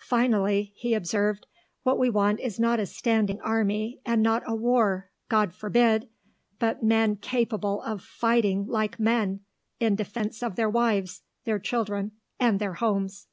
Finally (he observed), what we want is not a standing army, and not a war God forbid but men capable of fighting like men in defence of their wives, their children, and their homes."